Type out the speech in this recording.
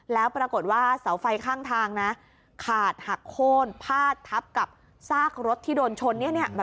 แล้วปรากฏว่าเสาไฟข้างทางนะขาดหักโค้นพาดทับกับซากรถที่โดนชน